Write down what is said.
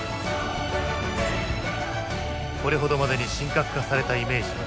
これほどまでに神格化されたイメージ